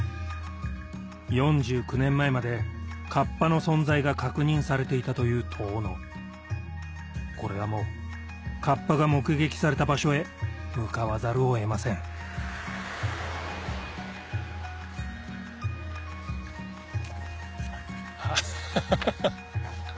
４９年前まで河童の存在が確認されていたという遠野これはもう河童が目撃された場所へ向かわざるを得ませんハッハハハ！